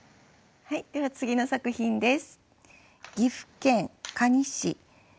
では次の作品です。